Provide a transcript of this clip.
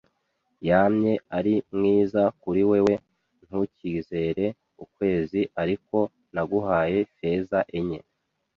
yamye ari mwiza kuri wewe. Ntukigere ukwezi ariko naguhaye feza enye